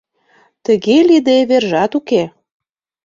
Тыге лийде вержат уке.